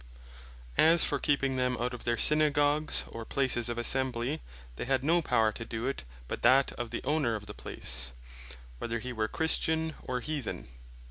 As for keeping them out of their Synagogues, or places of Assembly, they had no Power to do it, but that of the owner of the place, whether he were Christian, or Heathen.